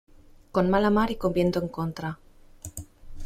con mala mar y con viento en contra